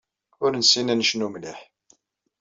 Ur nessin ad necnu mliḥ.